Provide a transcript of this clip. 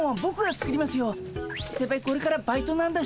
これからバイトなんだし。